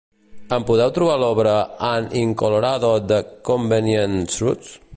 Em podeu trobar l'obra "An in Colorado the Convenient Truth"?